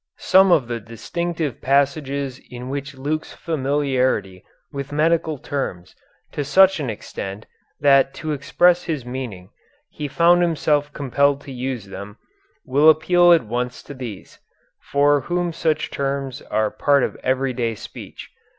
Some of the distinctive passages in which Luke's familiarity with medical terms to such an extent that to express his meaning he found himself compelled to use them, will appeal at once to these, for whom such terms are part of everyday speech.